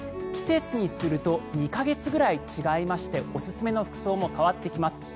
季節にすると２か月くらい違いましておすすめの服装も変わってきます。